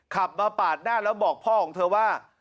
ขับมาปาดหน้าแล้วบอกพ่อของเธอว่า